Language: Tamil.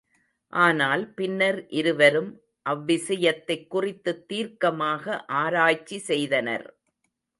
ஆனால் பின்னர் இருவரும் அவ்விசயத்தைக் குறித்துத் தீர்க்கமாக ஆராய்ச்சி செய்தனர்.